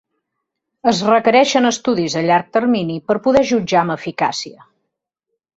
Es requereixen estudis a llarg termini per poder jutjar amb eficàcia.